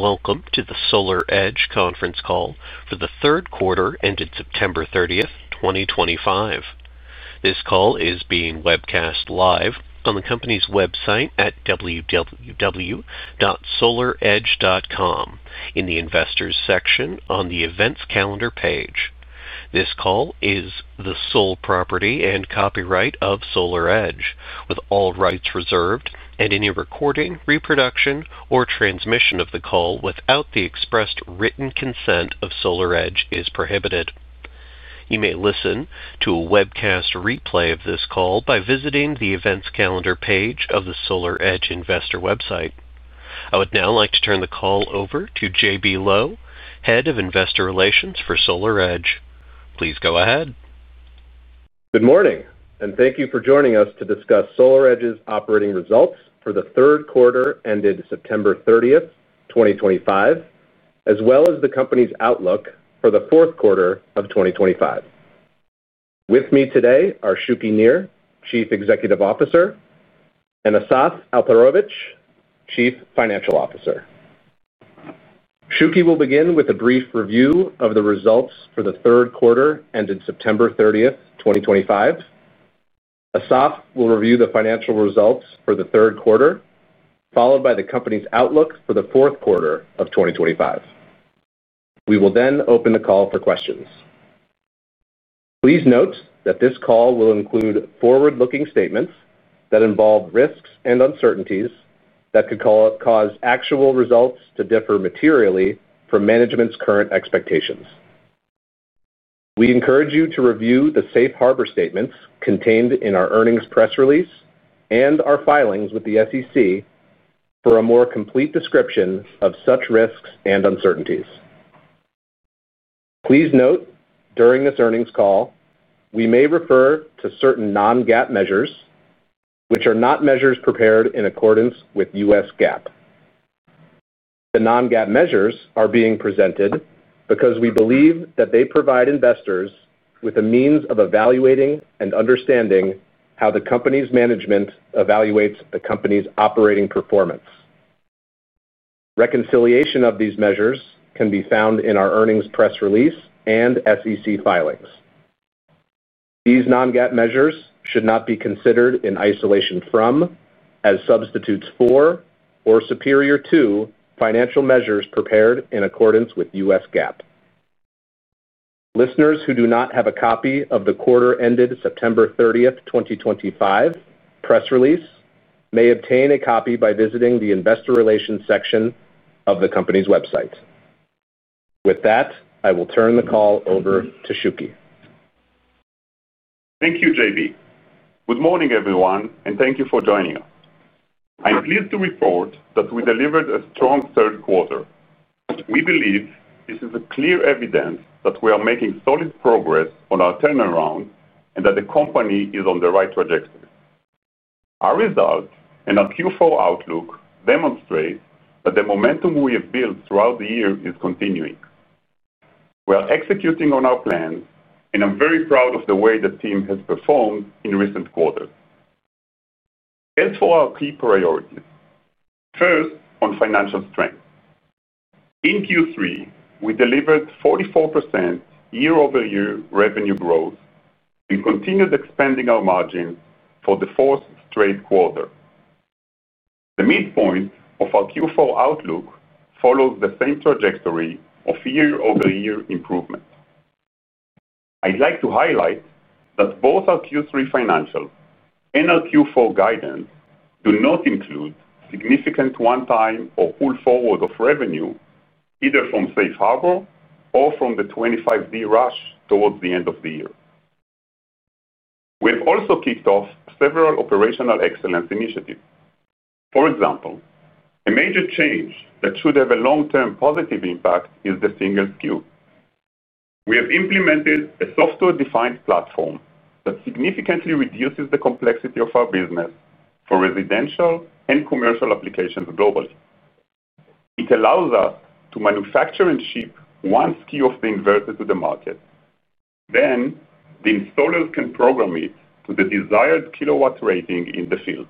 Welcome to the SolarEdge conference call for the third quarter ended September 30th, 2025. This call is being webcast live on the company's website at www.solaredge.com in the Investors section on the Events Calendar page. This call is the sole property and copyright of SolarEdge with all rights reserved, and any recording, reproduction, or transmission of the call without the express written consent of SolarEdge is prohibited. You may listen to a webcast replay of this call by visiting the Events Calendar page of the SolarEdge investor website. I would now like to turn the call over to J.B. Lowe, Head of Investor Relations for SolarEdge. Please go ahead. Good morning and thank you for joining us to discuss SolarEdge's operating results for the third quarter ended September 30th, 2025, as well as the company's outlook for the fourth quarter of 2025. With me today are Shuki Nir, Chief Executive Officer, and Asaf Alperovich, Chief Financial Officer. Shuki will begin with a brief review of the results for the third quarter ended September 30th, 2025. Asaf will review the financial results for the third quarter followed by the company's outlook for the fourth quarter of 2025. We will then open the call for questions. Please note that this call will include forward-looking statements that involve risks and uncertainties that could cause actual results to differ materially from management's current expectations. We encourage you to review the safe harbor statements contained in our earnings press release and our filings with the SEC for a more complete description of such risks and uncertainties. Please note, during this earnings call we may refer to certain non-GAAP measures which are not measures prepared in accordance with U.S. GAAP. The non-GAAP measures are being presented because we believe that they provide investors with a means of evaluating and understanding how the company's management evaluates the company's operating performance. Reconciliation of these measures can be found in our earnings press release and SEC filings. These non-GAAP measures should not be considered in isolation from, as substitutes for, or superior to financial measures prepared in accordance with U.S. GAAP. Listeners who do not have a copy of the quarter ended September 30th, 2025 press release may obtain a copy by visiting the Investor Relations section of the company's website. With that, I will turn the call over to Shuki. Thank you. J.B. Good morning everyone and thank you for joining us. I'm pleased to report that we delivered a strong third quarter. We believe this is clear evidence that we are making solid progress on our turnaround and that the company is on the right trajectory. Our result and our Q4 outlook demonstrate that the momentum we have built throughout the year is continuing. We are executing on our plan and I'm very proud of the way the team has performed in recent quarters. As for our key priorities, first on financial strength in Q3 we delivered 44% year-over-year revenue growth and continued expanding our margins for the fourth straight quarter. The midpoint of our Q4 outlook follows the same trajectory of year-over-year improvement. I'd like to highlight that both our Q3 financial and our Q4 guidance do not include significant one-time or pull forward of revenue either from Safe Harbor or from the 25D rush towards the end of the year. We have also kicked off several operational excellence initiatives. For example, a major change that should have a long-term positive impact is the single SKU. We have implemented a software-defined platform that significantly reduces the complexity of our business for residential and commercial applications globally. It allows us to manufacture and ship one SKU of the inverter to the market. The installers can program it to the desired kilowatt rating in the field.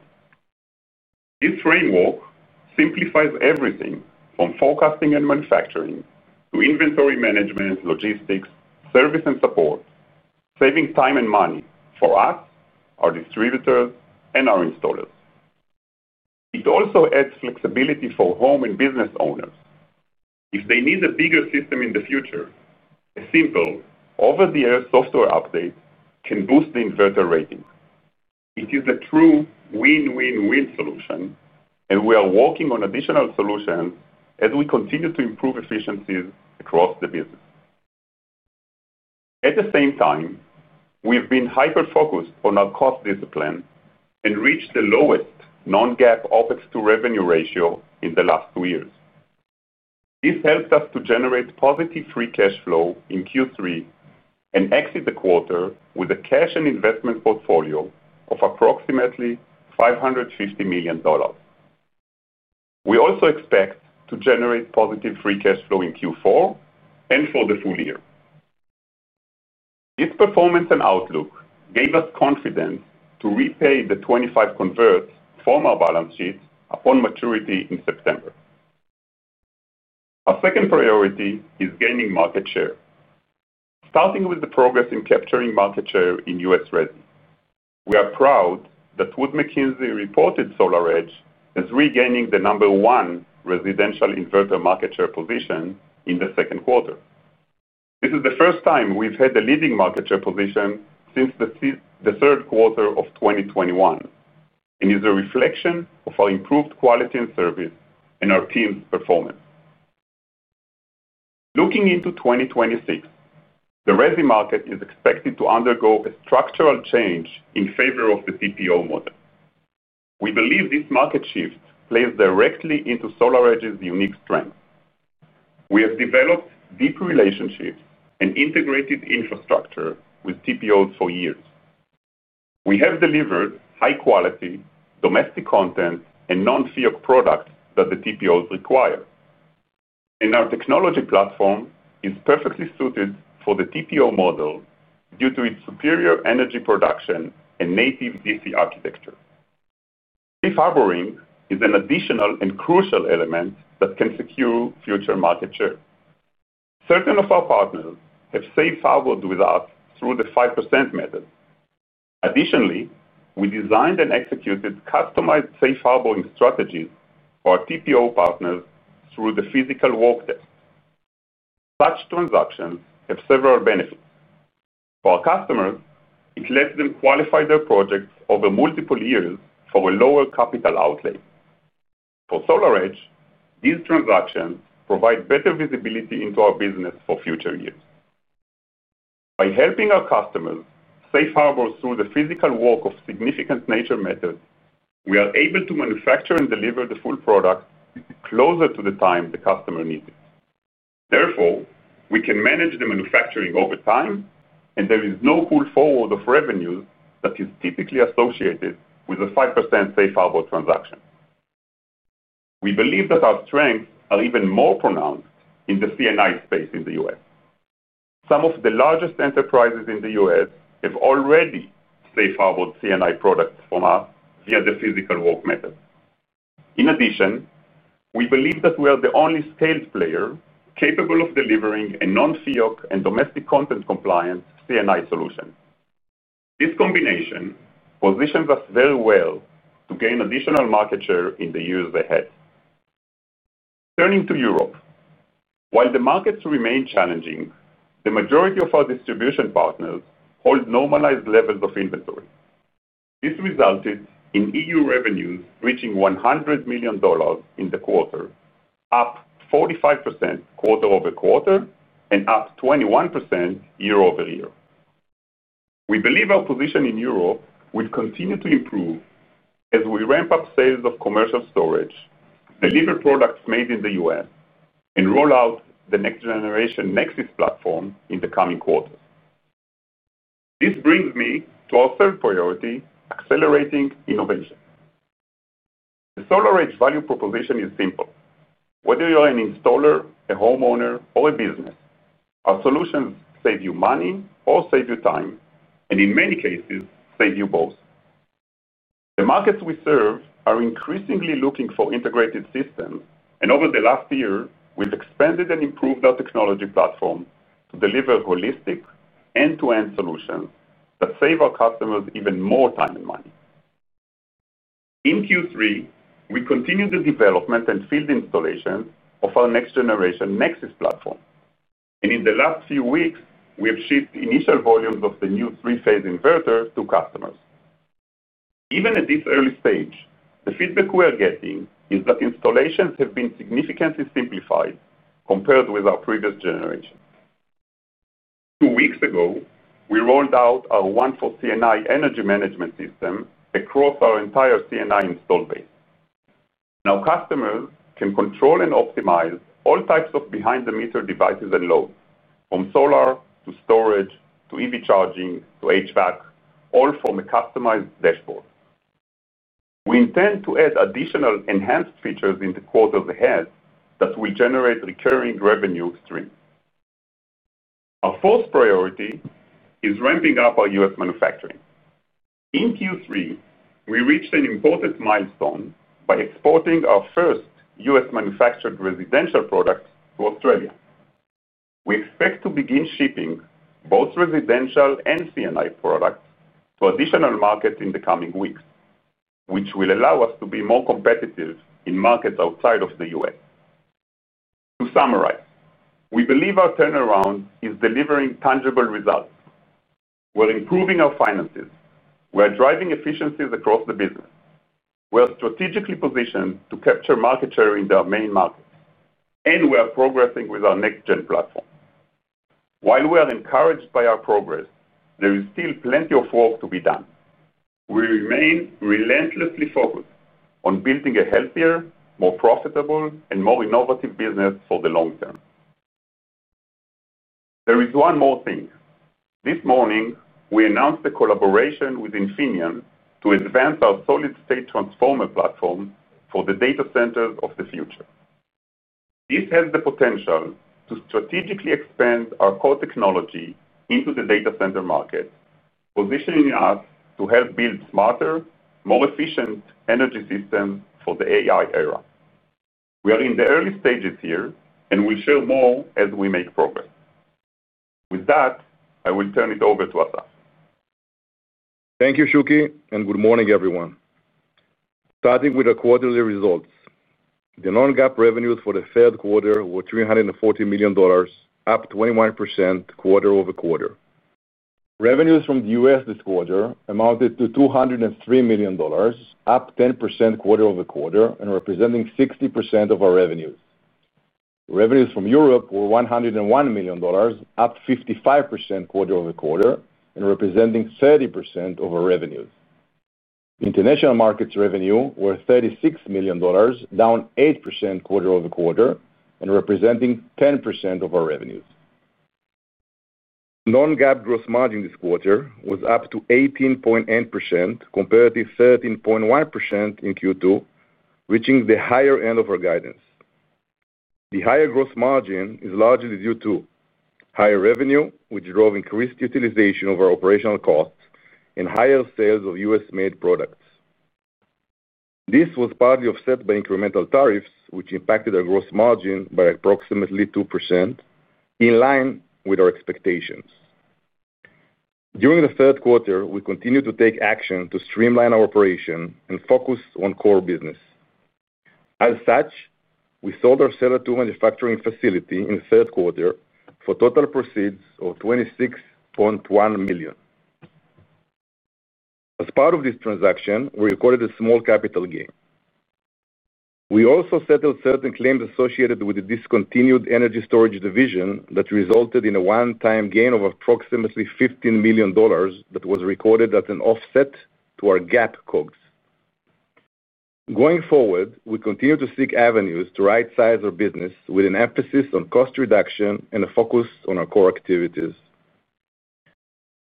This framework simplifies everything from forecasting and manufacturing to inventory management, logistics, service, and support, saving time and money for us, our distributors, and our installers. It also adds flexibility for home and business owners if they need a bigger system in the future. A simple over-the-air software update can boost the inverter rating. It is the true win-win-win solution and we are working on additional solutions as we continue to improve efficiencies across the business. At the same time, we've been hyper-focused on our cost discipline and reached the lowest non-GAAP OpEx to revenue ratio in the last two years. This helped us to generate positive free cash flow in Q3 and exit the quarter with a cash and investment portfolio of approximately $550 million. We also expect to generate positive free cash flow in Q4 and for the full year. Its performance and outlook gave us confidence to repay the 2025 converts from our balance sheet upon maturity in September. Our second priority is gaining market share starting with the progress in capturing market share in U.S. REIT. We are proud that Wood Mackenzie reported SolarEdge as regaining the number one residential inverter market share position in the second quarter. This is the first time we've had a leading market share position since the third quarter of 2021 and is a reflection of our improved quality and service and our team's performance. Looking into 2026, the RESI market is expected to undergo a structural change in favor of the TPO model. We believe this market shift plays directly into SolarEdge's unique strength. We have developed deep relationships and integrated infrastructure with TPOs for years. We have delivered high quality domestic content and non-FIAC products that the TPOs require and our technology platform is perfectly suited for the TPO model due to its superior energy production and native DC architecture. Safe harboring is an additional and crucial element that can secure future market share. Certain of our partners have safe harbored with us through the 5% method. Additionally, we designed and executed customized safe harbor strategies for our TPO partners through the physical work test. Such transactions have several benefits for our customers. It lets them qualify their projects over multiple years for a lower capital outlay for SolarEdge. These transactions provide better visibility into our business for future years. By helping our customers safe harbor through the physical work of significant nature methods, we are able to manufacture and deliver the full product closer to the time the customer needs it. Therefore, we can manage the manufacturing over time and there is no pull forward of revenues that is typically associated with a 5% safe harbor transaction. We believe that our strengths are even more pronounced in the C&I space in the U.S. Some of the largest enterprises in the U.S. have already safe harbored C&I products from us via the physical work method. In addition, we believe that we are the only scaled player capable of delivering a non-FIAC and domestic content compliant C&I solution. This combination positions us very well to gain additional market share in the years ahead. Turning to Europe, while the markets remain challenging, the majority of our distribution partners hold normalized levels of inventory. This resulted in EU revenues reaching EUR 100 million in the quarter, up 45% quarter-over-quarter and up 21% year-over-year. We believe our position in Europe will continue to improve as we ramp up sales of commercial storage, deliver products made in the U.S., and roll out the next generation Nexus platform in the coming quarters. This brings me to our third priority, accelerating innovation. The SolarEdge value proposition is simple. Whether you are an installer, a homeowner, or a business, our solutions save you money or save you time and in many cases save you both. The markets we serve are increasingly looking for integrated systems and over the last year we've expanded and improved our technology platform to deliver holistic end-to-end solutions that save our customers even more time and money. In Q3 we continued the development and field installation of our next generation Nexus platform, and in the last few weeks we have shipped initial volumes of the new three-phase inverter to customers. Even at this early stage, the feedback we are getting is that installations have been significantly simplified compared with our previous generation. Two weeks ago we rolled out our One for C&I Energy Management System across our entire C&I installed base. Now customers can control and optimize all types of behind the meter devices and loads, from solar to storage to EV charging to HVAC, all from a customized dashboard. We intend to add additional enhanced features in the quarters ahead that will generate recurring revenue stream. Our fourth priority is ramping up our U.S. manufacturing. In Q3 we reached an important milestone by exporting our first US manufactured residential products to Australia. We expect to begin shipping both residential and C&I products to additional markets in the coming weeks, which will allow us to be more competitive in markets outside of the U.S. To summarize, we believe our turnaround is delivering tangible results. We're improving our finances, we're driving efficiencies across the business, we are strategically positioned to capture market share in our main markets, and we are progressing with our next-gen platform. While we are encouraged by our progress, there is still plenty of work to be done. We remain relentlessly focused on building a healthier, more profitable, and more innovative business for the long term. There is one more thing. This morning we announced a collaboration with Infineon to advance our solid-state transformer platform for the data centers of the future. This has the potential to strategically expand our core technology into the data center market, positioning us to help build smarter, more efficient energy systems for the AI era. We are in the early stages here and we'll share more as we make progress. With that, I will turn it over to Asaf. Thank you Shuki and good morning everyone. Starting with the quarterly results, the non-GAAP revenues for the third quarter were $340 million, up 21% quarter-over-quarter. Revenues from the U.S. this quarter amounted to $203 million, up 10% quarter-over-quarter and representing 60% of our revenues. Revenues from Europe were $101 million, up 55% quarter-over-quarter and representing 30% of our revenues. International markets revenue were $36 million, down 8% quarter-over-quarter and representing 10% of our revenues. Non-GAAP gross margin this quarter was up to 18.8% compared to 13.1% in Q2, reaching the higher end of our guidance. The higher gross margin is largely due to higher revenue which drove increased utilization of our operational costs and higher sales of U.S.-made products. This was partly offset by incremental tariffs which impacted our gross margin by approximately 2% in line with our expectations. During the third quarter we continue to take action to streamline our operation and focus on core business. As such, we sold our Seller 2 manufacturing facility in the third quarter for total proceeds of $26.1 million. As part of this transaction we recorded a small capital gain. We also settled certain claims associated with the discontinued energy storage division that resulted in a one-time gain of approximately $15 million that was recorded as an offset to our GAAP cogs. Going forward, we continue to seek avenues to right size our business with an emphasis on cost reduction and a focus on our core activities.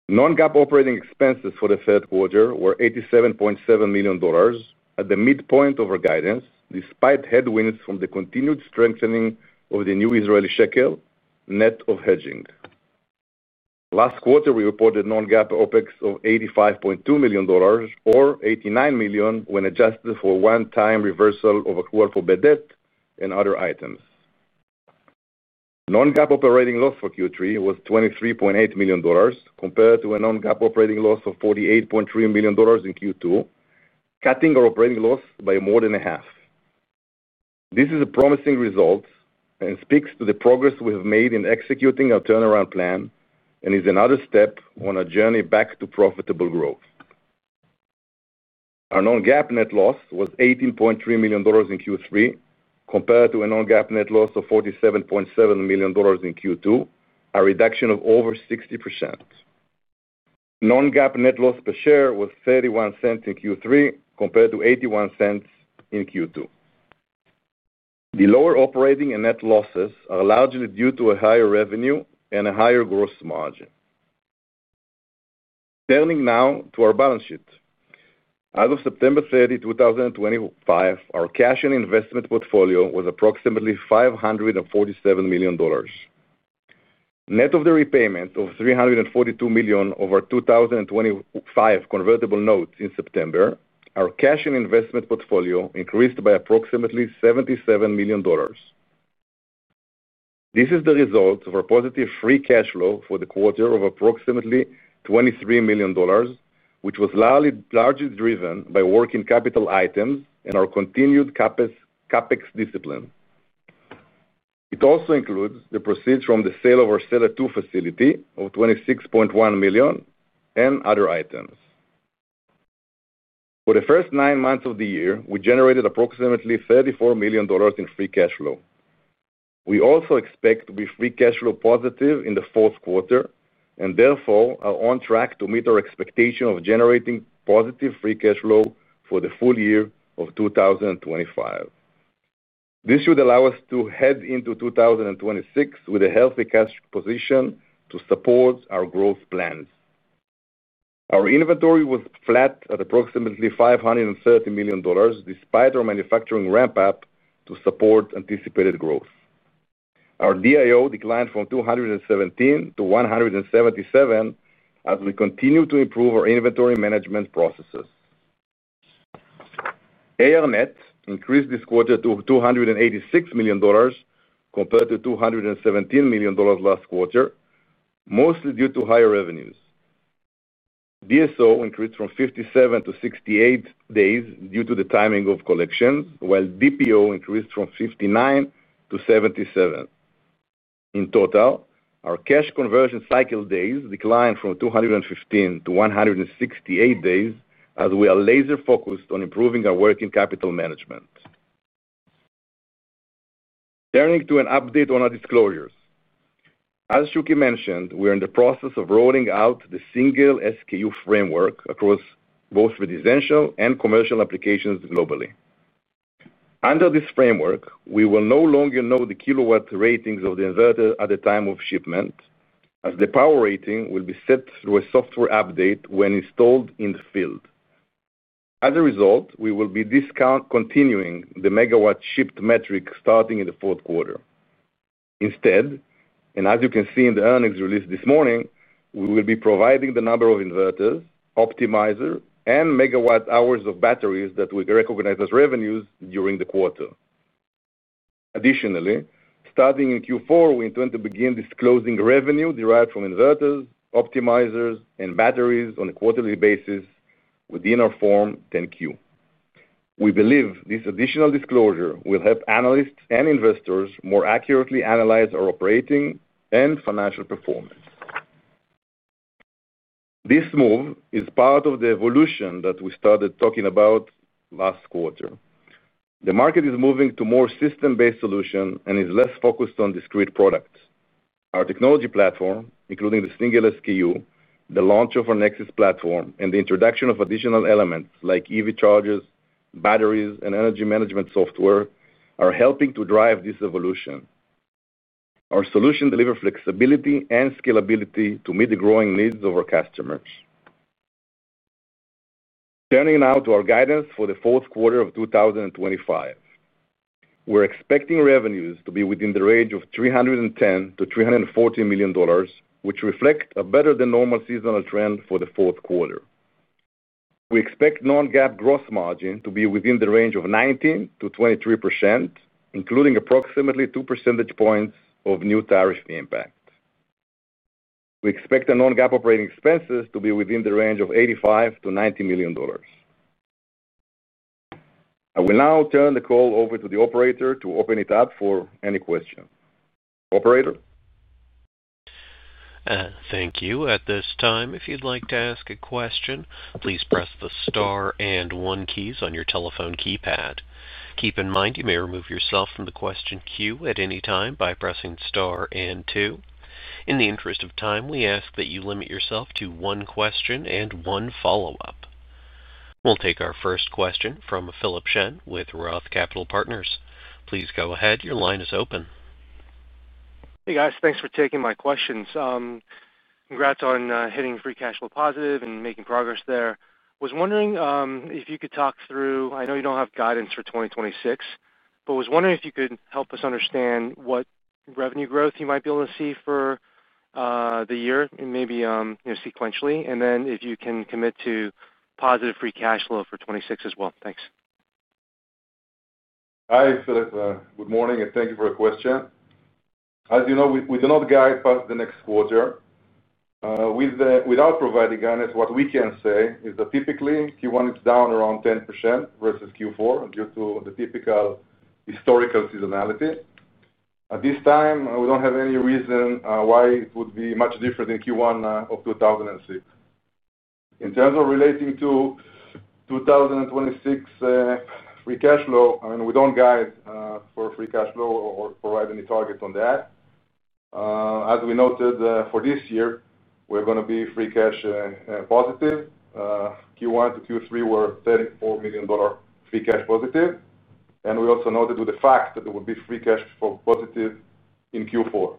Non-GAAP operating expenses for the third quarter were $87.7 million at the midpoint of our guidance, despite headwinds from the continued strengthening of the New Israeli Shekel net of hedging. Last quarter we reported non-GAAP OpEx of $85.2 million or $89 million when adjusted for one-time reversal of accrual for Bidet and other items. Non-GAAP operating loss for Q3 was $23.8 million compared to a non-GAAP operating loss of $48.3 million in Q2, cutting our operating loss by more than half. This is a promising result and speaks to the progress we have made in executing our turnaround plan and is another step on a journey back to profitable growth. Our non-GAAP net loss was $18.3 million in Q3 compared to a non-GAAP net loss of $47.7 million in Q2, a reduction of over 60%. Non-GAAP net loss per share was $0.31 in Q3 compared to $0.81 in Q2. The lower operating and net losses are largely due to a higher revenue and a higher gross margin. Turning now to our balance sheet, as of September 30, 2025, our cash and investment portfolio was approximately $547 million net of the repayment of $342 million of our 2025 convertible notes. In September, our cash and investment portfolio increased by approximately $77 million. This is the result of our positive free cash flow for the quarter of approximately $23 million, which was largely driven by working capital items and our continued CapEx discipline. It also includes the proceeds from the sale of our Seller 2 facility of $26.1 million and other items. For the first nine months of the year we generated approximately $34 million in free cash flow. We also expect to be free cash flow positive in the fourth quarter and therefore are on track to meet our expectation of generating positive free cash flow for the full year of 2025. This should allow us to head into 2026 with a healthy cash position to support our growth plans. Our inventory was flat at approximately $530 million despite our manufacturing ramp up to support anticipated growth. Our DIO declined from 217 to 177 as we continue to improve our inventory management processes. AR net increased this quarter to $286 million compared to $217 million last quarter mostly due to higher revenues. DSO increased from 57 to 68 days due to the timing of collections, while DPO increased from 59 to 77. In total, our cash conversion cycle days declined from 215 to 168 days as we are laser focused on improving our working capital management. Turning to an update on our disclosures, as Shuki mentioned, we are in the process of rolling out the single SKU framework across both residential and commercial applications globally. Under this framework, we will no longer know the kilowatt ratings of the inverter at the time of shipment, as the power rating will be set through a software update when installed in the field. As a result, we will be discontinuing the megawatt shipped metric starting in the fourth quarter. Instead, and as you can see in the earnings release this morning, we will be providing the number of inverters, optimizers, and megawatt hours of batteries that we recognize as revenues during the quarter. Additionally, starting in Q4, we intend to begin disclosing revenue derived from inverters, optimizers, and batteries on a quarterly basis within our Form 10-Q. We believe this additional disclosure will help analysts and investors more accurately analyze our operating and financial performance. This move is part of the evolution that we started talking about last quarter. The market is moving to more system-based solutions and is less focused on discrete products. Our technology platform, including the single SKU, the launch of our Nexus platform, and the introduction of additional elements like EV chargers, batteries, and energy management software, are helping to drive this evolution. Our solution delivers flexibility and scalability to meet the growing needs of our customers. Turning now to our guidance, for the fourth quarter of 2025, we are expecting revenues to be within the range of $310 million-$340 million, which reflect a better than normal seasonal trend for the fourth quarter. We expect non GAAP gross margin to be within the range of 19%-23%, including approximately 2 percentage points of new tariff impact. We expect the non-GAAP operating expenses to be within the range of $85 million-$90 million. I will now turn the call over to the operator to open it up for any question. Operator. Thank you. At this time, if you'd like to ask a question, please press the star and one keys on your telephone keypad. Keep in mind you may remove yourself from the question queue at any time by pressing star and two. In the interest of time, we ask that you limit yourself to one question and one follow-up. We'll take our first question from Philip Shen with ROTH Capital Partners. Please go ahead. Your line is open. Hey guys, thanks for taking my questions. Congrats on hitting free cash flow positive and making progress there. Was wondering if you could talk through. I know you don't have guidance for 2026, but was wondering if you could help us understand what revenue growth you might be able to see for the year and maybe sequentially and then if you can commit to positive free cash flow for 26 as well. Thanks. Hi Philip, good morning and thank you for your question. As you know, we do not guide past the next quarter without providing guidance. What we can say is that typically Q1 is down around 10% versus Q4 due to the typical historical seasonality at this time. We do not have any reason why it would be much different in Q1 of 2026 in terms of relating to 2026 free cash flow. We do not guide for free cash flow or provide any target on that. As we noted for this year we are going to be free cash positive. Q1 to Q3 were $34 million free cash positive. We also noted with the fact that there would be free cash positive in Q4.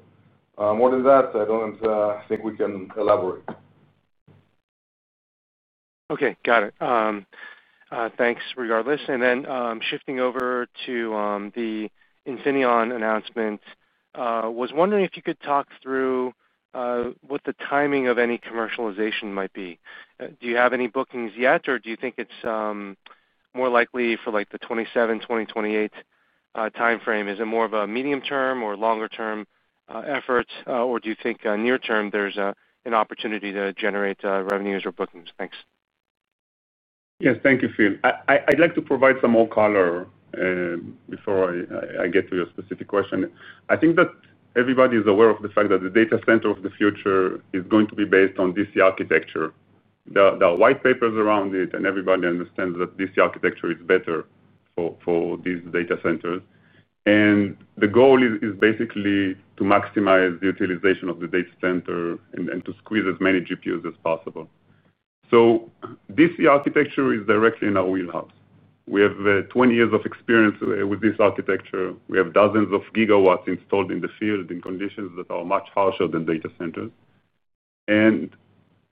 More than that, I do not think we can elaborate. Okay, got it. Thanks. Regardless. And then shifting over to the Infineon announcement, was wondering if you could talk through what the timing of any commercialization might be. Do you have any bookings yet or do you think it's more likely for like the 2027, 2028 timeframe? Is it more of a medium term or longer term effort or do you think near term there's an opportunity to generate revenues or bookings? Thanks. Yes, thank you, Phil. I'd like to provide some more color before I get to your specific question. I think everybody is aware of the fact that the data center of the future is going to be based on DC architecture. There are white papers around it and everybody understands that DC architecture is better for these data centers. The goal is basically to maximize the utilization of the data center and to squeeze as many GPUs as possible. DC architecture is directly in our wheelhouse. We have 20 years of experience with this architecture. We have dozens of gigawatts installed in the field in conditions that are much harder than data centers.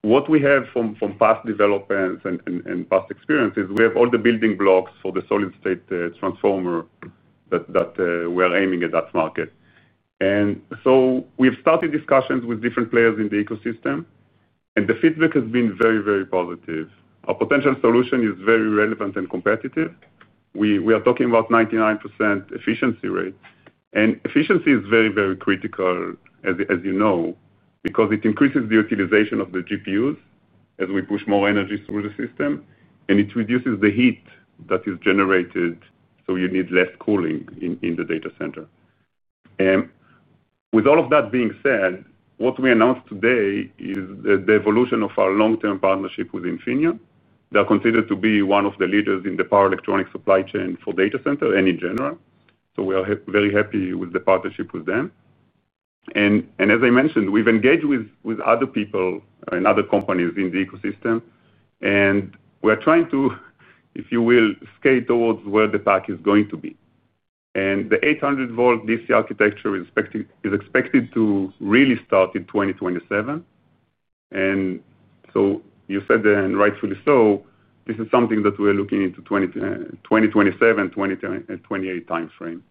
What we have from past developments and past experiences, we have all the building blocks for the solid-state transformer that we are aiming at that market. We have started discussions with different players in the ecosystem and the feedback has been very, very positive. Our potential solution is very relevant and competitive. We are talking about 99% efficiency rate and efficiency is very, very critical, as you know, because it increases the utilization of the GPUs as we push more energy through the system and it reduces the heat that is generated. You need less cooling in the data center. With all of that being said, what we announced today is the evolution of our long term partnership with Infineon. They are considered to be one of the leaders in the power electronics supply chain for data center and in general. We are very happy with the partnership with them. As I mentioned, we've engaged with other people and other companies in the ecosystem and we're trying to, if you will, skate towards where the puck is going to be. The 800 volt DC architecture is expected to really start in 2027. You said rightfully so this is something that we are looking into. 2027, 2028 timeframe.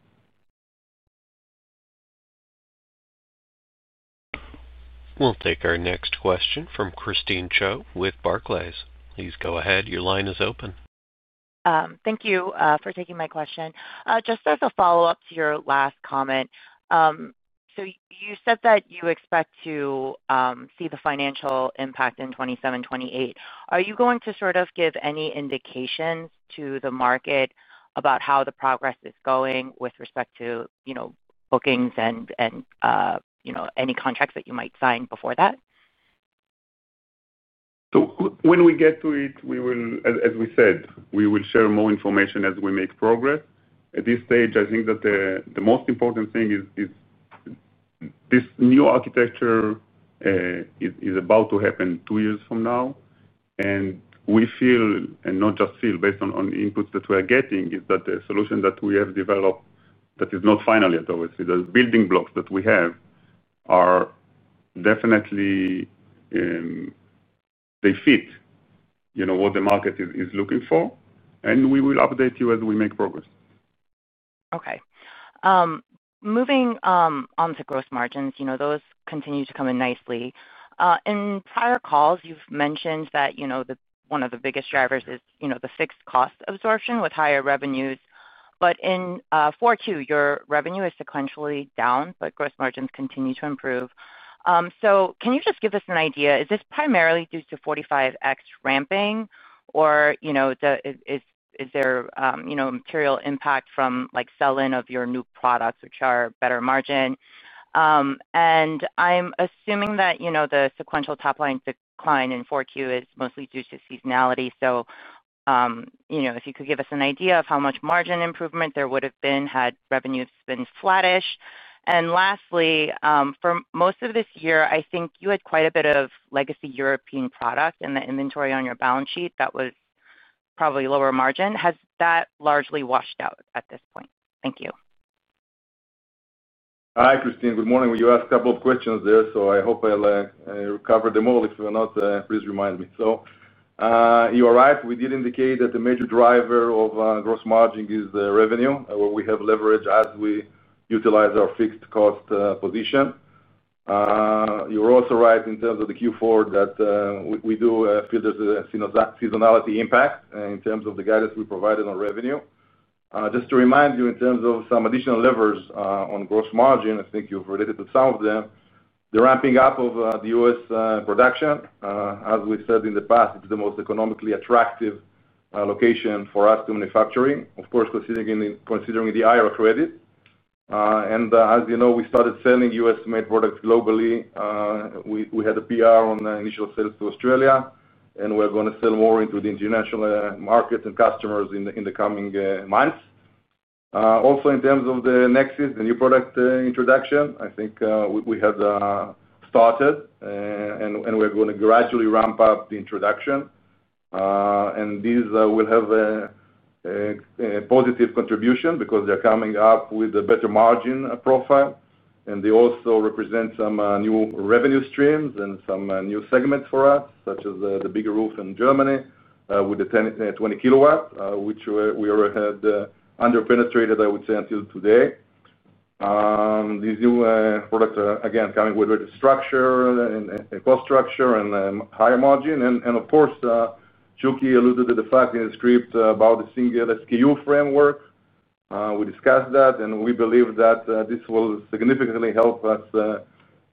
We'll take our next question from Christine Cho with Barclays. Please go ahead. Your line is open. Thank you for taking my question. Just as a follow-up to your last comment, you said that you expect to see the financial impact in 2027-2028. Are you going to sort of give any indications to the market about how the progress is going with respect to bookings and any contracts that you might sign before that? When we get to it, as we said, we will share more information as we make progress at this stage. I think that the most important thing is this new architecture is about to happen two years from now. We feel, and not just feel based on inputs that we are getting, that the solution that we have developed that is not final yet, obviously the building blocks that we have are definitely, they fit what the market is looking for. We will update you as we make progress. Okay, moving on to gross margins. Those continue to come in nicely. In prior calls you've mentioned that one of the biggest drivers is the fixed cost absorption with higher revenues. In Q4 your revenue is sequentially down, but gross margins continue to improve. Can you just give us an idea? Is this primarily due to 45x ramping or is there material impact from sell-in of your new products which are better margin? I'm assuming that the sequential top line decline in Q4 is mostly due to seasonality. If you could give us an idea of how much margin improvement there would have been had revenues been flattish. Lastly, for most of this year I think you had quite a bit of legacy European product and the inventory on your balance sheet that was probably lower margin. Has that largely washed out at this point? Thank you. Hi Christine, good morning. You asked a couple of questions there, so I hope I covered them all. If not, please remind me. You are right, we did indicate that the major driver of gross margin is the revenue where we have leverage as we utilize our fixed cost position. You are also right in terms of the Q4 that we do feel there is a seasonality impact in terms of the guidance we provided on revenue. Just to remind you in terms of some additional levers on gross margin, I think you have related to some of them, the ramping up of the U.S. production. As we said in the past, it is the most economically attractive location for us to manufacture. Of course, considering the IR credit. As you know, we started selling U.S.-made products globally. We had a PR on initial sales to Australia and we're going to sell more into the international market and customers in the coming months. Also in terms of the Nexus, the new product introduction I think we had started and we're going to gradually ramp up the introduction and these will have a positive contribution because they're coming up with a better margin profile and they also represent some new revenue streams and some new segments for us, such as the bigger roof in Germany with the 20 kW which we already had underpenetrated. I would say until today these new products again coming with structure, cost structure and higher margin. Of course, Shuki alluded to the fact in the script about the single SKU framework. We discussed that and we believe that this will significantly help us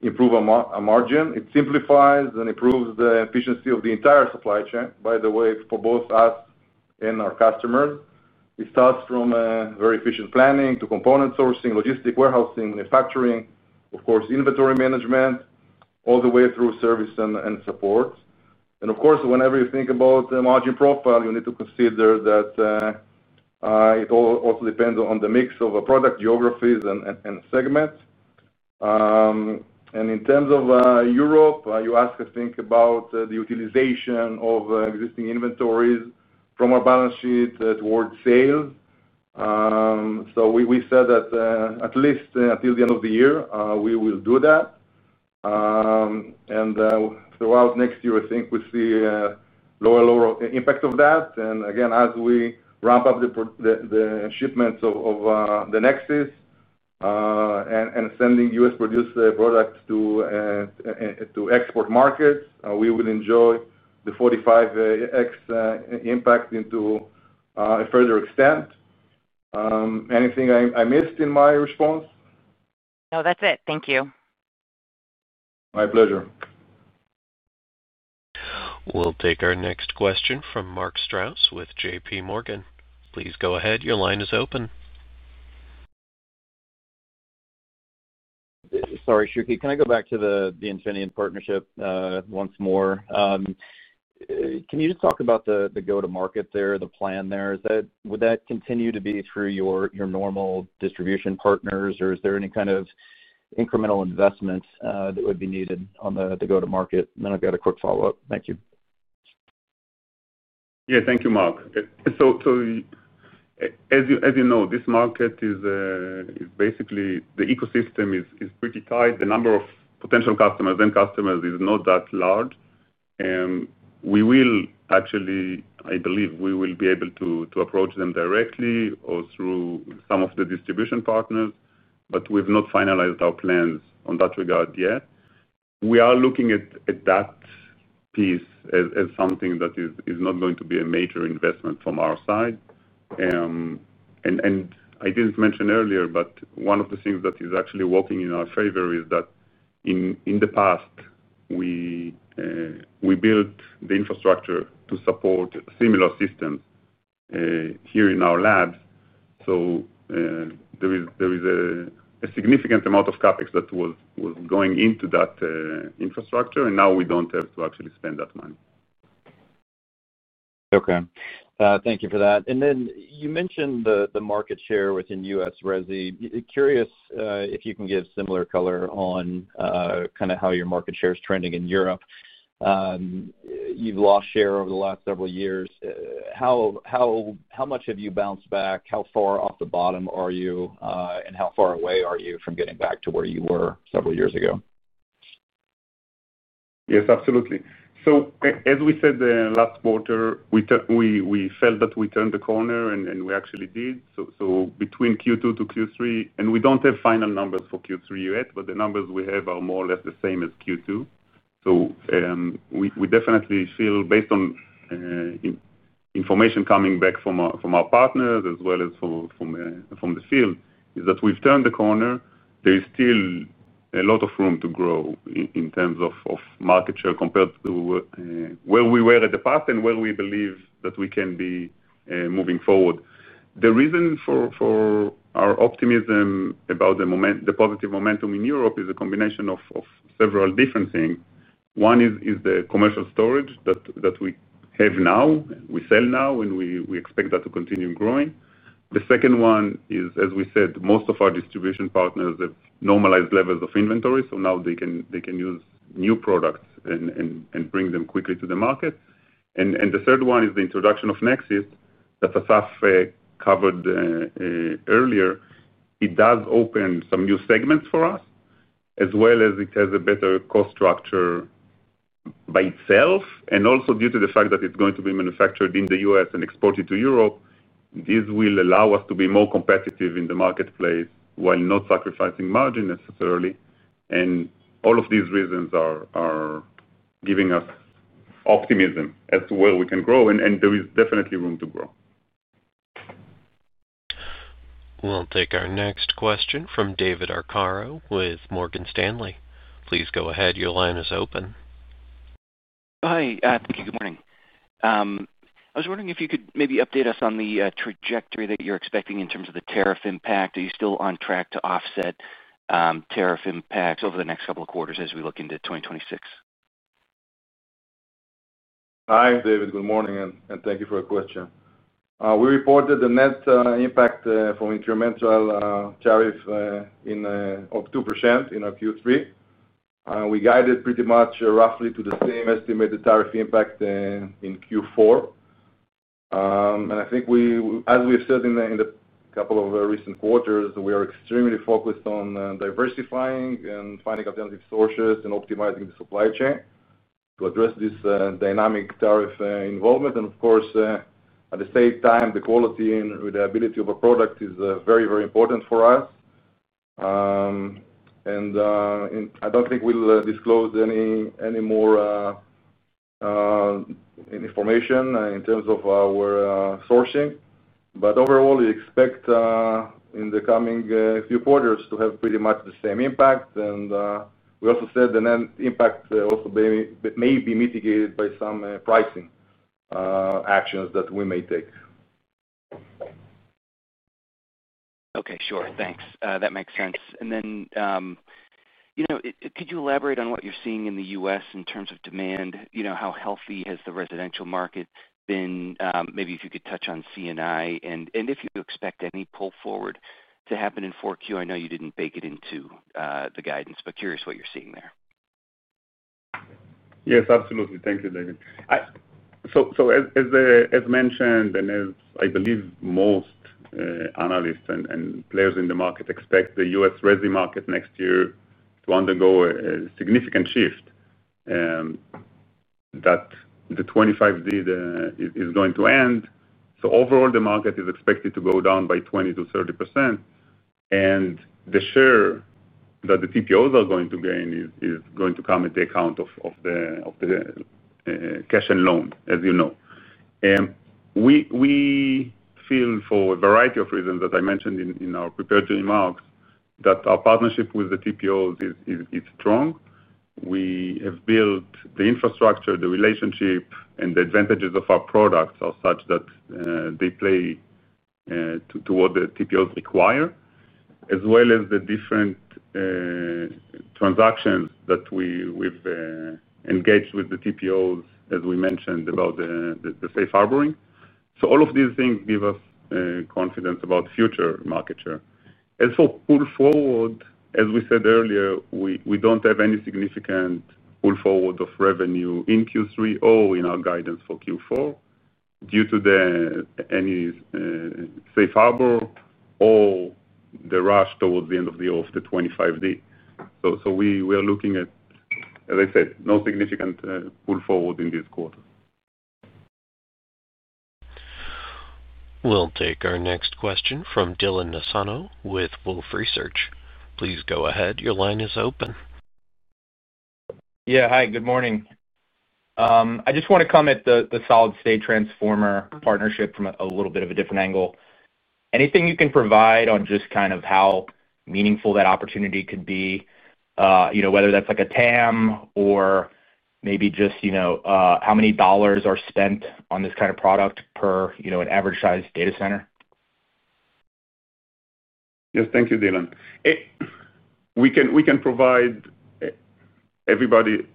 improve our margin. It simplifies and improves the efficiency of the entire supply chain, by the way, for both us and our customers. It starts from very efficient planning to component sourcing, logistic warehousing, manufacturing, of course, inventory management, all the way through service and support. Of course, whenever you think about margin profile, you need to consider that it also depends on the mix of product geographies and segments. In terms of Europe, you ask us to think about the utilization of existing inventories from our balance sheet towards sales. We said that at least until the end of the year we will do that. Throughout next year, I think we see lower, lower impact of that. Again, as we ramp up the shipments of the Nexus and sending U.S. produced products to export markets, we will enjoy the 45x impact to a further extent. Anything I missed in my response? No, that's it. Thank you. My pleasure. We'll take our next question from Mark Strauss with JPMorgan. Please go ahead. Your line is open. Sorry Shuki, can I go back to the Infineon Partnership once more? Can you just talk about the go-to market there, the plan there? Would that continue to be through your normal distribution partners or is there any kind of incremental investment that would be needed to go to market, and then I've got a quick follow up. Thank you. Yeah, thank you, Mark. As you know, this market is basically the ecosystem is pretty tight. The number of potential customers and customers is not that large. We will actually, I believe we will be able to approach them directly or through some of the distribution partners, but we've not finalized our plans on that regard yet. We are looking at that piece as something that is not going to be a major investment from our side. I didn't mention earlier, but one of the things that is actually working in our favor is that in the past. We built the infrastructure to support similar systems here in our labs. There is a significant amount of CapEx that was going into that infrastructure and now we do not have to actually spend that money. Okay, thank you for that. You mentioned the market share within U.S. resi. Curious if you can give similar color on kind of how your market share is trending in Europe. You've lost share over the last several years. How much have you bounced back? How far off the bottom are you and how far away are you from getting back to where you were several years ago? Yes, absolutely. As we said last quarter, we felt that we turned the corner and we actually did so between Q2 to Q3. We do not have final numbers for Q3 yet, but the numbers we have are more or less the same as Q2. We definitely feel, based on information coming back from our partners as well as from the field, that we have turned the corner. There is still a lot of room to grow in terms of market share compared to where we were in the past and where we believe that we can be moving forward. The reason for our optimism about the positive momentum in Europe is a combination of several different things. One is the commercial storage that we have now. We sell now and we expect that to continue growing. The second one is, as we said, most of our distribution partners have normalized levels of inventory, so now they can use new products and bring them quickly to the market. The third one is the introduction of Nexus that Asaf covered earlier. It does open some new segments for us as well, as it has a better cost structure by itself and also due to the fact that it's going to be manufactured in the U.S. and exported to Europe. This will allow us to be more competitive in the marketplace while not sacrificing margin necessarily. All of these reasons are giving us optimism as to where we can grow and there is definitely room to grow. We'll take our next question from David Arcaro with Morgan Stanley. Please go ahead. Your line is open. Hi. Thank you. Good morning. I was wondering if you could maybe update us on the trajectory that you're expecting in terms of the tariff impact. Are you still on track to offset tariff impacts over the next couple of quarters as we look into 2026? Hi David. Good morning and thank you for your question. We reported the net impact from incremental tariff of 2% in Q3. We guided pretty much roughly to the same estimated tariff impact in Q4. I think, as we've said in the couple of recent quarters, we are extremely focused on diversifying and finding alternative sources and optimizing the supply chain to address this dynamic tariff involvement. Of course, at the same time, the quality and reliability of a product is very, very important for us. I don't think we'll disclose any more information in terms of our sourcing. Overall, we expect in the coming few quarters to have pretty much the same impact. We also said the net impact also may be mitigated by some pricing actions that we may take. Okay, sure. Thanks. That makes sense. Then could you elaborate on what you're seeing in the U.S. in terms of demand? How healthy has the residential market been. Maybe if you could touch on C&I. And if you expect any pull forward to happen in Q4, I know you didn't bake it into the guidance, but curious what you're seeing there. Yes, absolutely. Thank you, David. As mentioned, and as I believe most analysts and players in the market expect, the U.S. resi market next year to undergo a significant shift, that the 25D is going to end. Overall, the market is expected to go down by 20%-30%. The share that the TPOs are going to gain is going to come at the account of the cash and loan. As you know, we feel for a variety of reasons, as I mentioned in our prepared remarks, that our partnership with the TPOs is strong. We have built the infrastructure, the relationship, and the advantages of our products are such that they play to what the TPOs require as well as the different transactions that we've engaged with the TPOs. As we mentioned about the safe harboring. All of these things give us confidence about future market share and for pull forward. As we said earlier, we do not have any significant pull forward of revenue in Q3 or in our guidance for Q4 due to any safe harbor or the rush towards the end of the year of the 25D. We are looking at, as I said, no significant pull forward in this quarter. We'll take our next question from Dylan Nassano with Wolfe Research. Please go ahead. Your line is open. Yeah, hi, good morning. I just want to come at the solid-state transformer partnership from a little bit of a different angle. Anything you can provide on just kind of how meaningful that opportunity could be? Whether that's like a TAM or maybe just how many dollars are spent on this kind of product per an average sized data center. Yes, thank you, Dylan. We can provide everybody.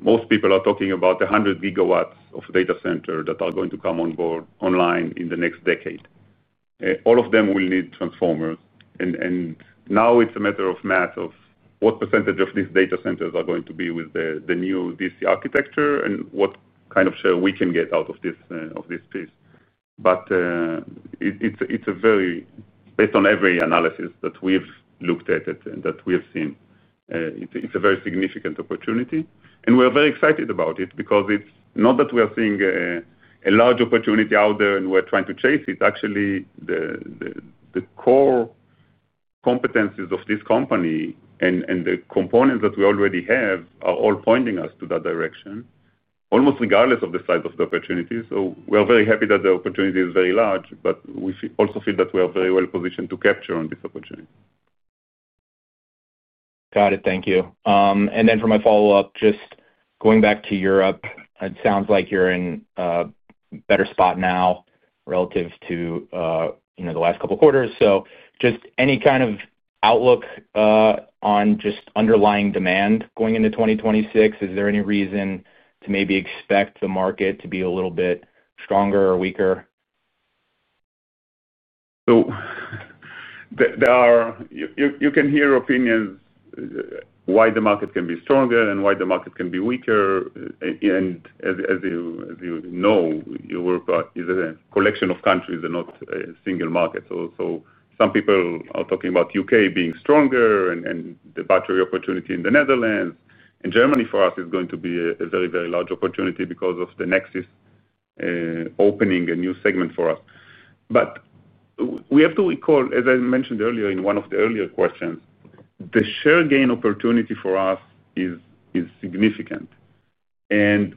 Most people are talking about 100 GW of data center that are going to come on board online in the next decade. All of them will need transformers. Now it's a matter of math of what percentage of these data centers are going to be with the new DC architecture and what kind of share we can get out of this, of this piece, but it's a very, based on every analysis that we've looked at and that we have seen, it's a very significant opportunity and we are very excited about it because it's not that we are seeing a large opportunity out there and we're trying to chase it. Actually the core competencies of this company and the components that we already have are all pointing us to that direction almost regardless of the size of the opportunity. We are very happy that the opportunity is very large, but we also feel that we are very well positioned to capture on this opportunity. Got it, thank you. For my follow up, just going back to Europe, it sounds like you're in a better spot now relative to the last couple quarters. Just any kind of outlook on just underlying demand going into 2026? Is there any reason to maybe expect the market to be a little bit stronger or weaker? You can hear opinions why the market can be stronger and why the market can be weaker. As you know, Europe is a collection of countries and not a single market. Some people are talking about the U.K. being stronger. The battery opportunity in the Netherlands and Germany for us is going to be a very, very large opportunity because of the Nexus opening a new segment for us. We have to recall, as I mentioned earlier in one of the earlier questions, the share gain opportunity for us is significant and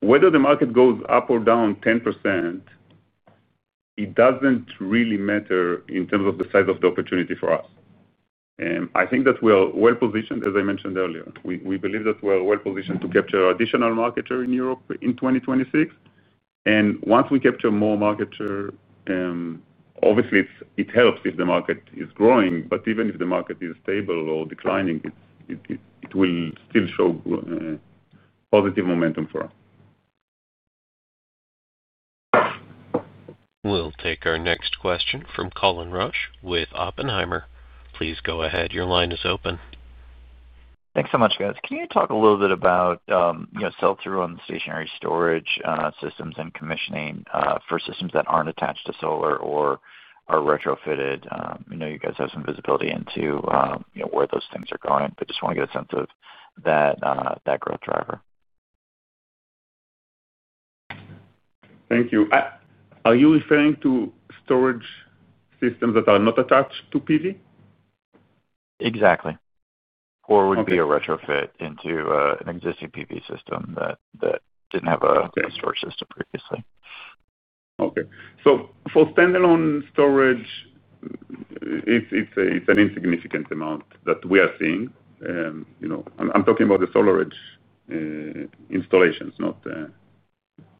whether the market goes up or down 10%, it does not really matter in terms of the size of the opportunity for us. I think that we are well positioned, as I mentioned earlier, we believe that we are well positioned to capture additional market share in Europe in 2026. Once we capture more market share, obviously it helps if the market is growing. Even if the market is stable or declining, it will still show positive momentum for us. We'll take our next question from Colin Rusch with Oppenheimer. Please go ahead. Your line is open. Thanks so much, guys. Can you talk a little bit about sell through on the stationary storage systems and commissioning versus systems that are not attached to solar or are retrofitted? I know you guys have some visibility into where those things are going, but just want to get a sense of that growth driver. Thank you. Are you referring to storage systems that are not attached to PV? Exactly. Or would be a retrofit into an existing PV system that had a storage system previously? Okay, for standalone storage, it's an insignificant amount that we are seeing. I'm talking about the SolarEdge installations,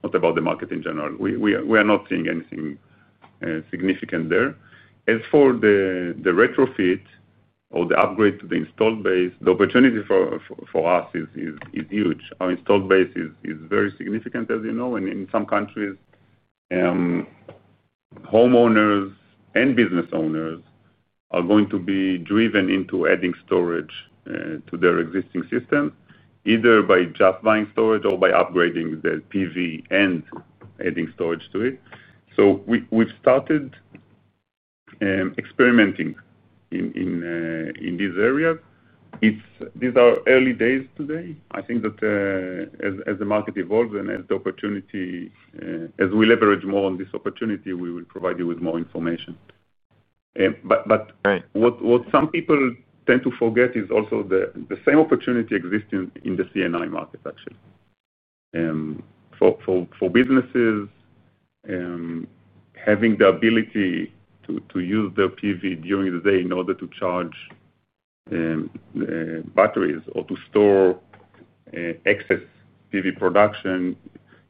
not about the market in general, we are not seeing anything significant there. As for the retrofit or the upgrade to the installed base, the opportunity for us is huge. Our installed base is very significant, as you know. In some countries, homeowners and business owners are going to be driven into adding storage to their existing system either by just buying storage or by upgrading the PV and adding storage to it. We have started experimenting in these areas. These are early days today. I think that as the market evolves and as we leverage more on this opportunity, we will provide you with more information. What some people tend to forget is also the same opportunity existing in the C&I market. Actually. For businesses, having the ability to use their PV during the day in order to charge batteries or to store excess PV production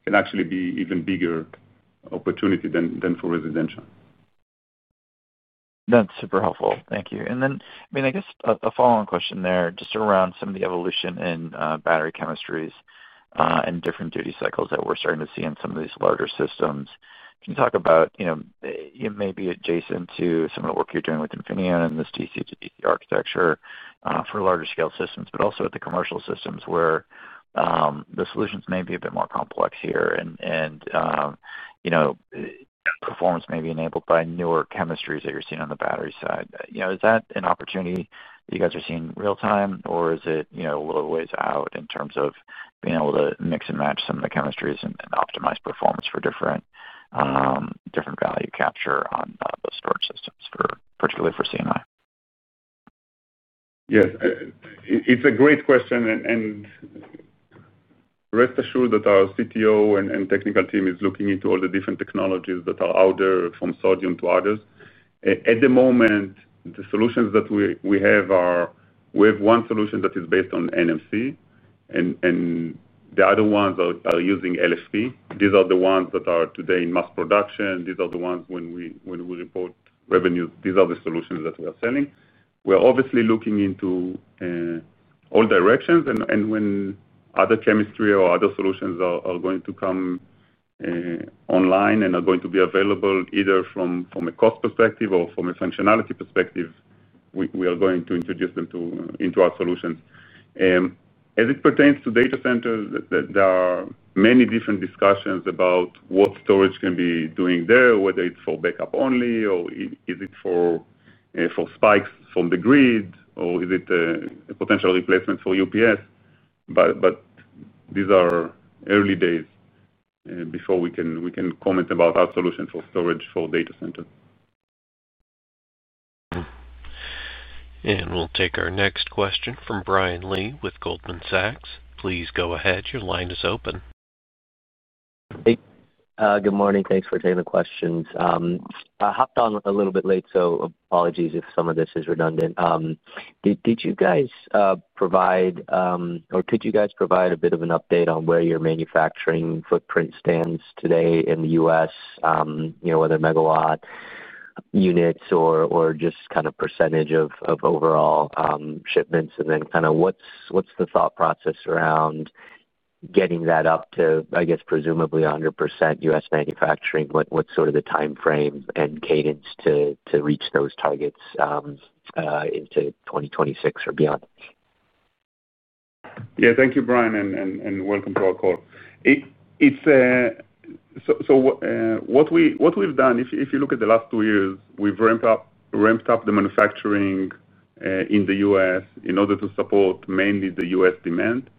can actually be an even bigger opportunity than for residential. That's super helpful, thank you. I guess a follow-on question there just around some of the evolution in battery chemistries and different duty cycles that we're starting to see in some of these larger systems. Can you talk about it, maybe adjacent to some of the work you're doing with Infineon and this TC2DC architecture for larger scale systems, but also at the commercial systems where the solutions may be a bit more complex here and performance may be enabled by newer chemistries that you're seeing on the battery side? Is that an opportunity you guys are seeing real time, or is it a little ways out in terms of being able to mix and match some of the chemistries and optimize performance for different value capture on the storage systems, particularly for C&I? Yes, it's a great question and rest assured that our CTO and technical team is looking into all the different technologies that are out there from sodium to others at the moment. The solutions that we have are we have one solution that is based on NMC and the other ones are using LFP. These are the ones that are today in mass production. These are the ones when we report revenue. These are the solutions that we are selling. We're obviously looking into all directions and when other chemistry or other solutions are going to come online and are going to be available either from a cost perspective or from a functionality perspective, we are going to introduce them into our solutions. As it pertains to data centers, there are many different discussions about what storage can be doing there. Whether it's for backup only, or is it for spikes from the grid, or is it a potential replacement for UPS? These are early days before we can comment about our solution for storage for data center. We will take our next question from Brian Lee with Goldman Sachs. Please go ahead. Your line is open. Good morning. Thanks for taking the questions. I hopped on a little bit late, so apologies if some of this is redundant. Did you guys provide or could you guys provide a bit of an update on where your manufacturing footprint stands today in the U.S., you know, whether megawatt units or just kind of percentage of overall shipments, and then kind of what's the thought process around getting that up to, I guess, presumably 100% U.S. manufacturing. What's sort of the time frame and cadence to reach those targets into 2026 or beyond? Yeah, thank you Brian, and welcome to our call. What we've done, if you look at the last two years, we've ramped up the manufacturing in the U.S. in order to support mainly the U.S. demand.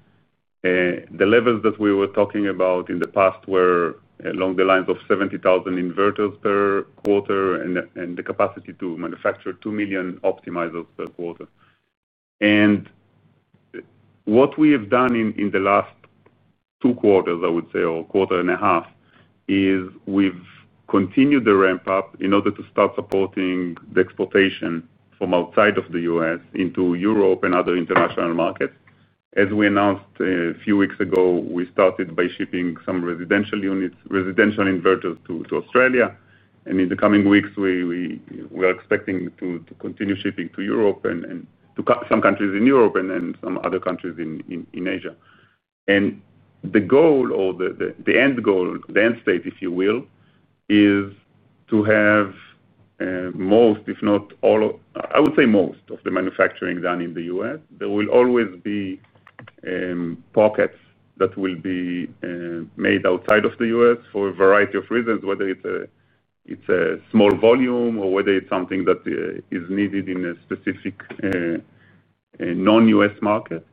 The levels that we were talking about in the past were along the lines of 70,000 inverters per quarter and the capacity to manufacture 2 million optimizers per quarter. What we have done in the last two quarters, I would say, or quarter and a half, is we've continued the ramp up in order to start supporting the exportation from outside of the U.S. into Europe and other international markets. As we announced a few weeks ago, we started by shipping some residential units, residential inverters to Australia. In the coming weeks we are expecting to continue shipping to Europe to some countries in Europe and some other countries in Asia. The goal, or the end goal, the end state, if you will, is to have most, if not all, I would say most of the manufacturing done in the U.S. There will always be pockets that will be made outside of the U.S. for a variety of reasons, whether it is a small volume or whether it is something that is needed in a specific non-U.S. market.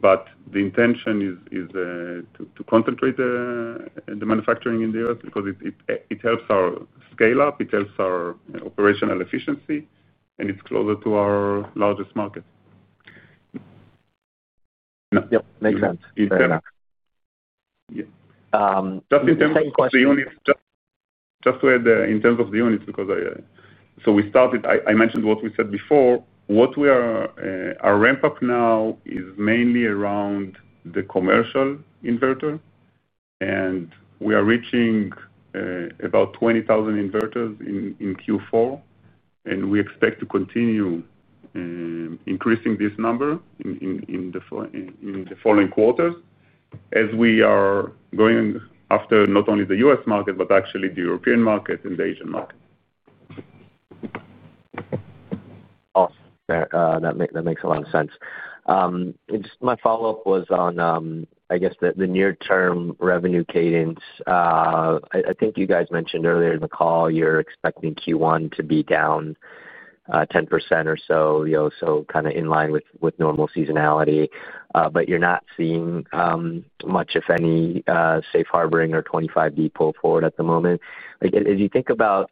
The intention is to concentrate the manufacturing in the U.S. because it helps our scale up, it helps our operational efficiency, and it is closer to our largest market. Yep, makes sense. Just to add in terms of the units, because we started, I mentioned what we said before. What we are ramping up now is mainly around the commercial inverter, and we are reaching about 20,000 inverters in Q4. We expect to continue increasing this number in the following quarters as we are going after not only the U.S. market, but actually the European market and the Asian market. That makes a lot of sense. My follow up was on, I guess, the near term revenue cadence. I think you guys mentioned earlier in the call you're expecting Q1 to be down 10% or so, so kind of in line with normal seasonality. But you're not seeing much if any safe harboring or 25D pull forward at the moment. As you think about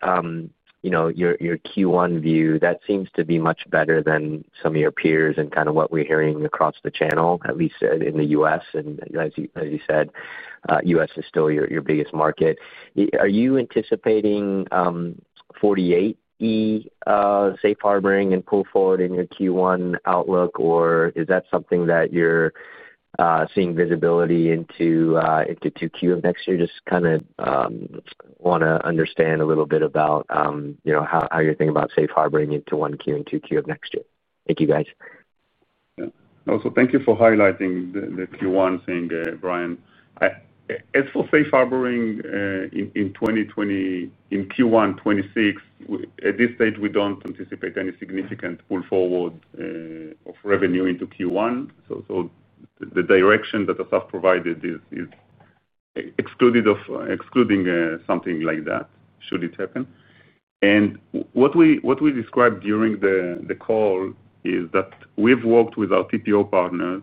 your Q1 view, that seems to be much better than some of your peers and kind of what we're hearing across the channel, at least in the U.S. and as you said, U.S. is still your biggest market. Are you anticipating 48E safe harboring and pull forward in your Q1 outlook or is that something that you're seeing visibility into 2Q of next year? Just kind of want to understand a little bit about how you're thinking about safe harboring it to 1Q and 2Q of next year. Thank you guys. Also thank you for highlighting the Q1 thing, Brian. As for safe harboring in Q1 2026, at this stage we don't anticipate any significant pull forward of revenue into Q1. The direction that Asaf provided is excluding something like that should it happen. What we described during the call is that we have worked with our TPO partners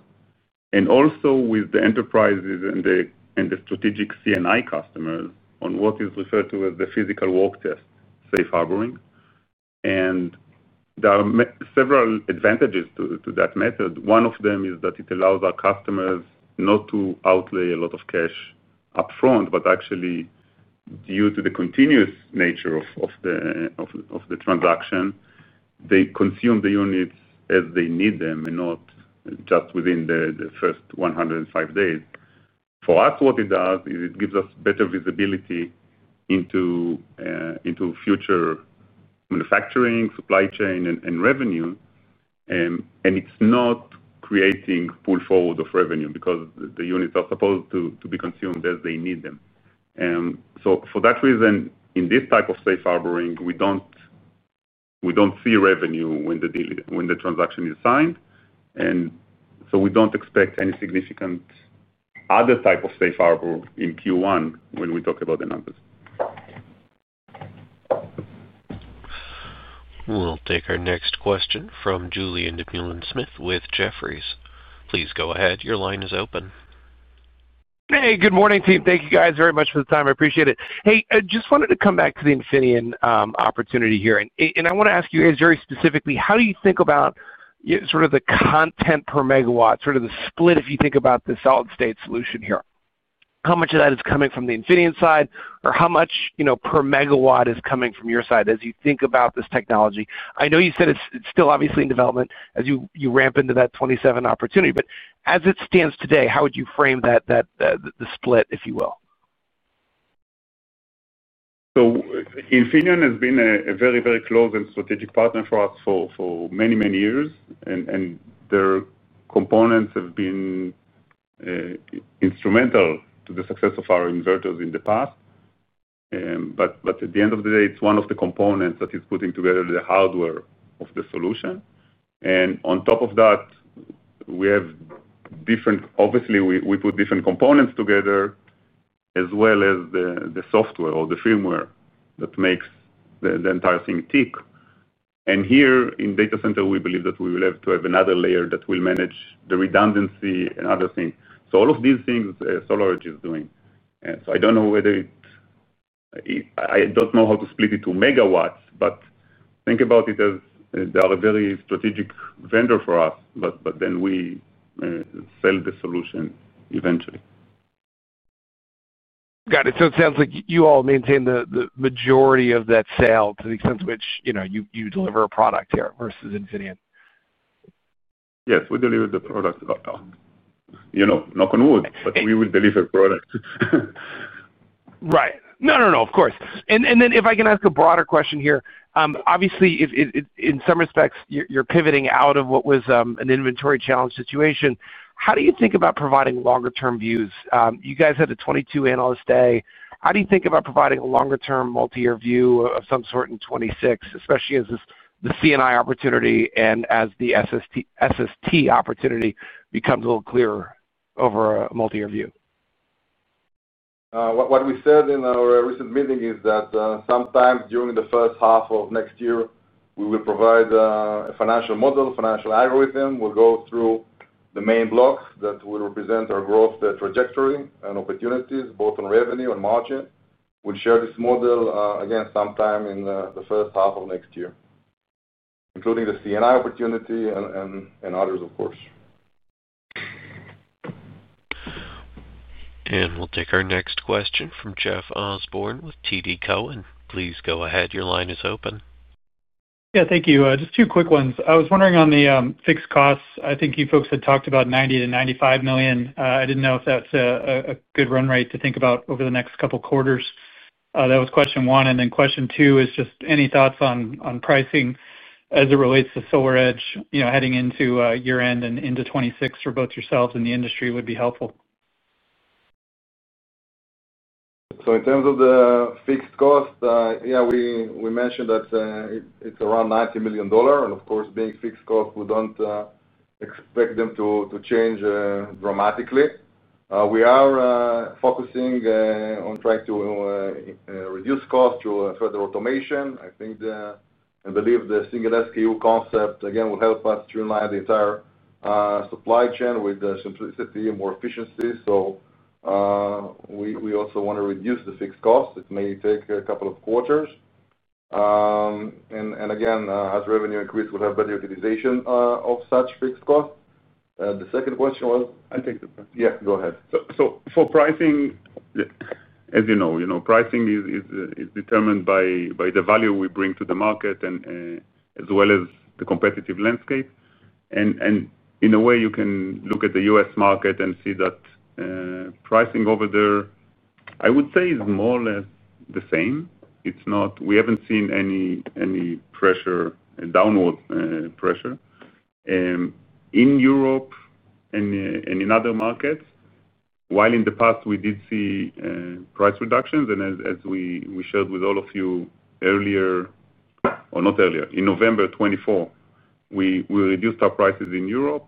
and also with the enterprises and the strategic C&I customers on what is referred to as the physical work test safe harboring. There are several advantages to that method. One of them is that it allows our customers not to outlay a lot of cash up front, but actually due to the continuous nature of the transaction, they consume the units as they need them and not just within the first 105 days. For us, what it does is it gives us better visibility into future manufacturing supply chain and revenue. It is not creating pull forward of revenue because the units are supposed to be consumed as they need them. For that reason, in this type of safe harboring, we don't see revenue when the transaction is signed. We don't expect any significant other type of safe harbor in Q1 when we talk about the numbers. We'll take our next question from Julien Dumoulin-Smith with Jefferies. Please go ahead. Your line is open. Hey, good morning team. Thank you guys very much for the time. I appreciate it. Hey, just wanted to come back to the Infineon opportunity here and I want to ask you guys very specifically, how do you think about sort of the content per megawatt, sort of the split? If you think about the solid-state solution here, how much of that is coming from the Infineon side or how much per megawatt is coming from your side? As you think about this technology, I know you said it's still obviously in development as you ramp into that 2027 opportunity, but as it stands today, how would you frame that split, if you will? Infineon has been a very, very close and strategic partner for us for many, many years and their components have been instrumental to the success of our inverters in the past. At the end of the day, it is one of the components that is putting together the hardware of the solution. On top of that, we have different, obviously we put different components together as well as the software or the firmware that makes the entire thing tick. Here in data center, we believe that we will have to have another layer that will manage the redundancy and other things. All of these things SolarEdge is doing. I do not know whether it, I do not know how to split it to megawatts, but think about it as they are a very strategic vendor for us, but then we sell the solution eventually. Got it. It sounds like you all maintain the majority of that sale to the extent to which you deliver a product here versus Infineon. Yes, we deliver the product, you know, knock on wood. We will deliver product, right? No, no, no, of course. If I can ask a broader question here, obviously in some respects you're pivoting out of what was an inventory challenge situation. How do you think about providing longer term views? You guys had a 2022 analyst day. How do you think about providing a longer term multi year view of some sort in 2026, especially as the C&I opportunity and as the SST opportunity becomes a little clearer over a multi year view? What we said in our recent meeting is that sometime during the first half of next year we will provide a financial model. Financial algorithm will go through the main block that will represent our growth trajectory and opportunities both on revenue and margin. We'll share this model again sometime in the first half of next year, including the C&I opportunity and others, of course. We will take our next question from Jeff Osborne with TD Cowen. Please go ahead. Your line is open. Yeah, thank you. Just two quick ones. I was wondering on the fixed costs, I think you folks had talked about $90 million-$95 million. I didn't know if that's a good run rate to think about over the next couple quarters. That was question one. And then question two is just any thoughts on pricing as it relates to SolarEdge heading into year end and into 2026 for both yourselves and the industry would be helpful. In terms of the fixed cost, yeah, we mentioned that it's around $90 million. Of course, being fixed cost, we don't expect them to change dramatically. We are focusing on trying to reduce cost through further automation. I think, I believe the single SKU concept again will help us streamline the entire supply chain with simplicity and more efficiency. We also want to reduce the fixed cost. It may take a couple of quarters and again as revenue increases, we would have better utilization of such fixed costs. The second question was. I'll take that. Yeah, go ahead. For pricing, as you know, pricing is determined by the value we bring to the market as well as the competitive landscape. In a way you can look at the U.S. market and see that pricing over there I would say is more or less the same. We haven't seen any pressure, downward pressure in Europe and in other markets while in the past we did see price reductions. As we shared with all of you, earlier or not earlier, in November 24th we reduced our prices in Europe.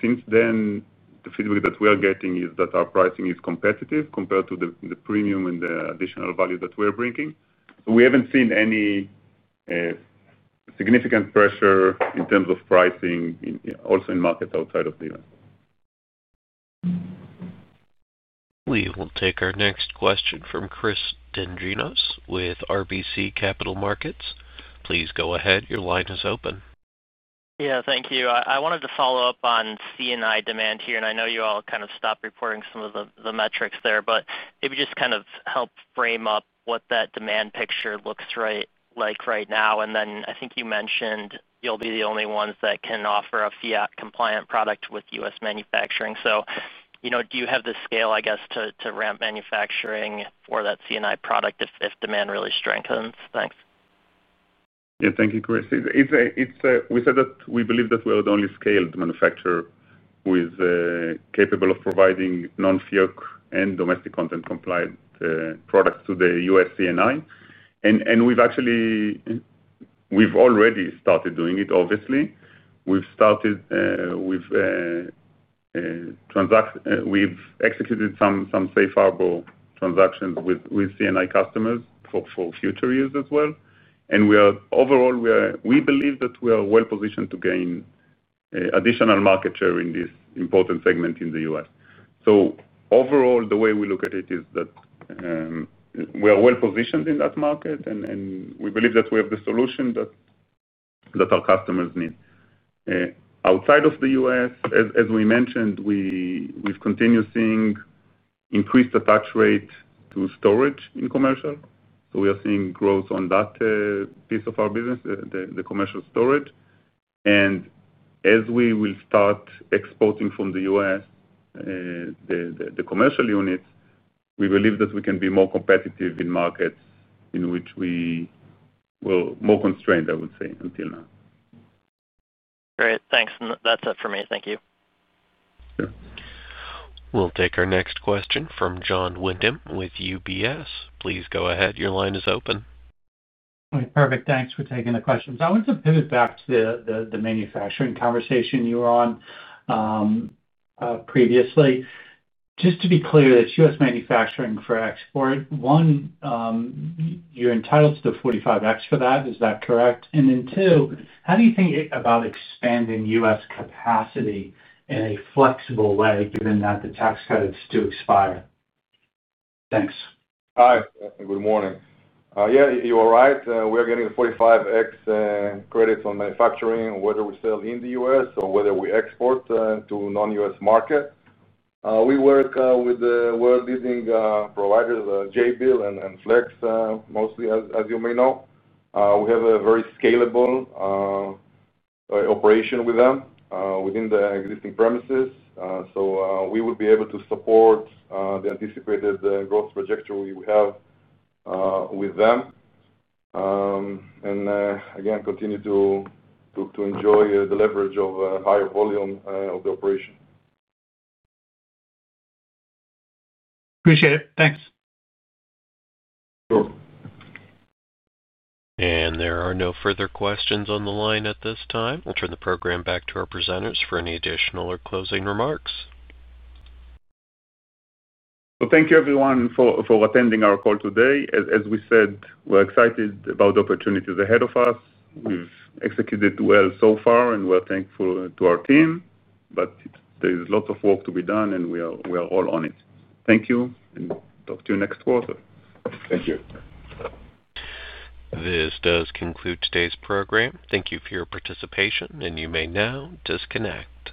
Since then the feedback that we are getting is that our pricing is competitive compared to the premium and the additional value that we're bringing. We haven't seen any significant pressure in terms of pricing also in markets outside of the U.S. We will take our next question from Chris Dendrinos with RBC Capital Markets. Please go ahead. Your line is open. Yeah, thank you. I wanted to follow up on C&I demand here and I know you all kind of stopped reporting some of the metrics there, but maybe just kind of help frame up what that demand picture looks like right now. I think you mentioned you'll be the only ones that can offer a non-FIAC compliant product with U.S. manufacturing. Do you have the scale, I guess, to ramp manufacturing for that C&I product if demand really strengthens? Thanks. Yeah, thank you, Chris. We said that we believe that we are the only scaled manufacturer who is capable of providing non-FIAC and domestic content compliant products to the U.S. C&I. And we've actually, we've already started doing it. Obviously we've started with, we've executed some safe harbor transactions with C&I customers for future years as well. We are overall, we believe that we are well positioned to gain additional market share in this important segment in the U.S. Overall the way we look at it is that we are well positioned in that market and we believe that we have the solution that our customers need outside of the U.S. As we mentioned, we've continued seeing increased attach rate to storage in commercial. We are seeing growth on that piece of our business, the commercial storage. As we will start exporting from the U.S. The commercial units, we believe that we can be more competitive in markets in which we were more constrained, I would say until now. Great, thanks. That's it for me. Thank you. We'll take our next question from John Wyndham with UBS. Please go ahead. Your line is open. Perfect. Thanks for taking the questions. I want to pivot back to the manufacturing conversation you were on previously. Just to be clear that U.S. manufacturing for export, one, you're entitled to 45X for that, is that correct? Two, how do you think about expanding U.S. capacity in a flexible way given that the tax credits do expire? Thanks. Hi, good morning. Yeah, you are right. We are getting the 45X credits on manufacturing whether we sell in the U.S. or whether we export to non-U.S. market. We work with the world leading providers, Jabil and Flex mostly. As you may know, we have a very scalable operation with them within the existing premises. We will be able to support the anticipated growth trajectory we have with them and again continue to enjoy the leverage of higher volume of the operation. Appreciate it. Thanks. Sure. There are no further questions on the line at this time. We will turn the program back to our presenters for any additional or closing remarks. Thank you, everyone, for attending our call today. As we said, we're excited about the opportunities ahead of us. We've executed well so far and we're thankful to our team. There is lots of work to be done and we are all on it. Thank you. Talk to you next quarter. Thank you. This does conclude today's program. Thank you for your participation. You may now disconnect.